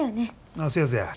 ああせやせや。